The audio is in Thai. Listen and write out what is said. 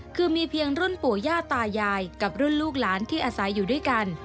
คือมีเพียงรุ่นปู่ย่าตายายกับรุ่นลูกหลานที่อาศัยอยู่ด้วยกัน